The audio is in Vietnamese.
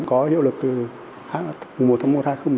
có hiệu lực từ một tháng một hai nghìn một mươi chín